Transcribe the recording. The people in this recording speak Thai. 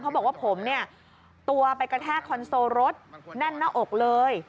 บอกว่าผมเนี่ยตัวไปกระแทกคอนโซลรถแน่นหน้าอกเลย